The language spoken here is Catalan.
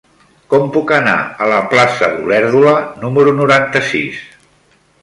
Com puc anar a la plaça d'Olèrdola número noranta-sis?